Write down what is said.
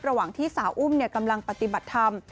ระหว่างที่สาวอุ้มกำลังปฏิบัติธรรม